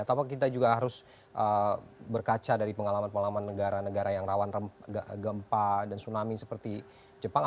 atau kita juga harus berkaca dari pengalaman pengalaman negara negara yang rawan gempa dan tsunami seperti jepang